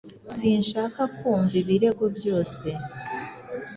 Sinshaka kumva ibirego byose.